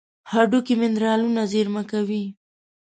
هډوکي منرالونه زیرمه کوي.